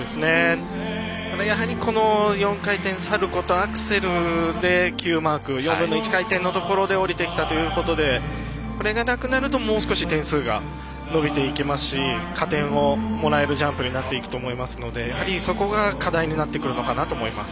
やはり、４回転サルコーとアクセルでｑマーク４分の１回転のところで降りてきたということでこれがなくなるともう少し点数が伸びていきますし加点をもらえるジャンプになっていくと思いますのでやはり、そこが課題になってくるのかなと思います。